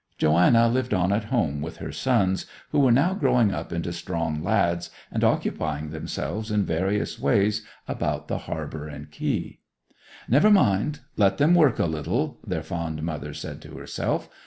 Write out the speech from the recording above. Joanna lived on at home with her sons, who were now growing up into strong lads, and occupying themselves in various ways about the harbour and quay. 'Never mind, let them work a little,' their fond mother said to herself.